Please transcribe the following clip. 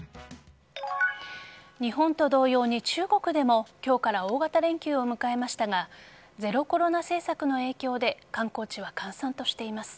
日本と同様に中国でも今日から大型連休を迎えましたがゼロコロナ政策の影響で観光地は閑散としています。